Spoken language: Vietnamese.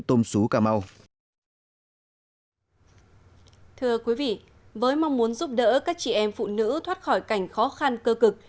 thưa quý vị với mong muốn giúp đỡ các chị em phụ nữ thoát khỏi cảnh khó khăn cơ cực